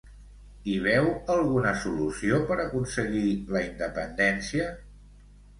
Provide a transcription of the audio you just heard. Hi veu alguna solució per aconseguir la independència?